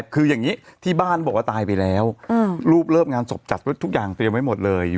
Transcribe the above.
คืออย่างนี้ที่บ้านบอกว่าตายไปแล้วรูปเลิกงานศพจัดทุกอย่างเตรียมไว้หมดเลย